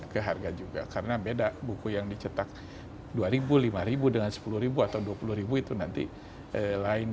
keharga juga karena beda buku yang dicetak dua lima dengan sepuluh atau dua puluh itu nanti lain